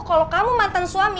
kalau kamu mantan suami